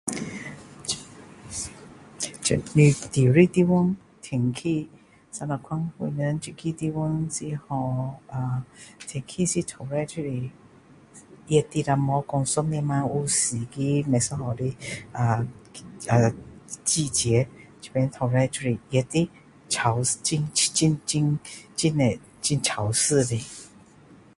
我住的地方天气长怎样 then 这个地方是叫天气一直都是热的啦没有说是一年里面都有四个不一样的呃季节这边都是热的潮潮潮一年头里面都是潮湿的